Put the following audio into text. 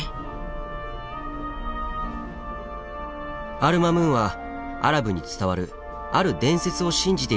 アル・マムーンはアラブに伝わるある伝説を信じていたといわれています。